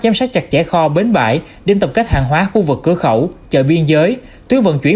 giám sát chặt chẽ kho bến bãi đêm tập kết hàng hóa khu vực cửa khẩu chợ biên giới tuyến vận chuyển